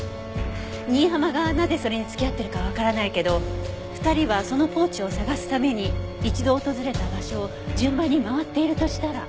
新浜がなぜそれに付き合ってるかわからないけど２人はそのポーチを捜すために一度訪れた場所を順番に回っているとしたら。